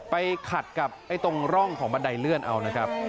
ไปขัดกับตรงร่องของบันไดเลื่อนเอานะครับ